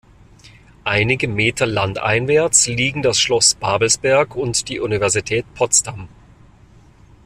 Einige Meter landeinwärts liegen das Schloss Babelsberg und die Universität Potsdam.